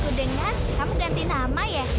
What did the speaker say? aku dengar kamu ganti nama ya